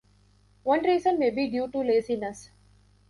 One reason may be due to laziness.